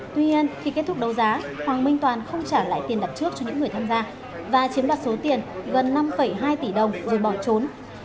tuy nhiên khi kết thúc đấu giá hoàng minh toàn không trả lại tiền đặt trước cho những người tham gia và chiếm đoạt số tiền gần năm hai tỷ đồng rồi bỏ trốn